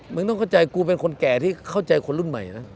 มึงต้องเข้าใจกูเป็นคนแก่ที่เข้าใจคนรุ่นใหม่นะ